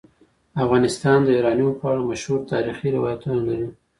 افغانستان د یورانیم په اړه مشهور تاریخی روایتونه لري.